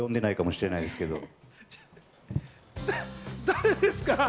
誰ですか？